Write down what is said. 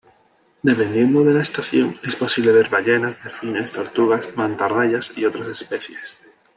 Dependiendo de la estación, es posible ver ballenas, delfines, tortugas, mantarrayas y otras especies.